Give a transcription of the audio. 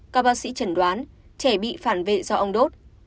các bác sĩ chẩn đoán trẻ bị phản vệ do ông đốt